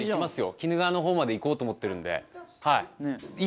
鬼怒川のほうまで行こうと思ってるんではい。